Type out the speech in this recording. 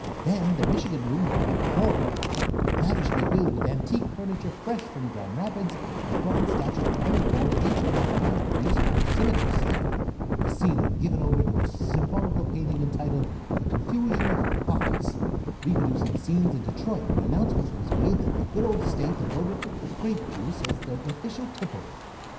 Then the Michigan room would be a corker, lavishly filled with antique furniture fresh from Grand Rapids, and a bronze statuette of Henry Ford at each end of the mantelpiece for symmetry's sake, the ceiling given over to a symbolical painting entitled The Confusion of Bacchus, reproducing scenes in Detroit when announcement was made that the good old State had voted for grape juice as the official tipple.